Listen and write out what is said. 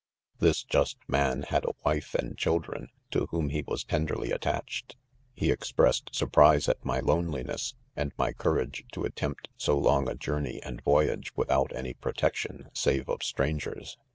6 This just man had a wife and children, to •whom he was tenderly attached \ he express* •ed surprise at my loneliness, and my courage to attempt so long a journey and voyage, with out any protection, save of strangers.